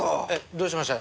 どうしました？